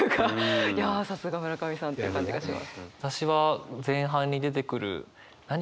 いやさすが村上さんって感じがします。